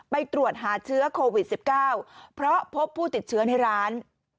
ไปตรวจหาเชื้อโควิด๑๙เพราะพบผู้ติดเชื้อในร้าน